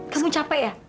kasih gue capek ya